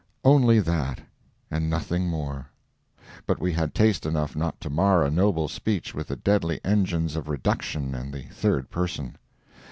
Only that, and nothing more. But we had taste enough not to mar a noble speech with the deadly engines of reduction and the third person.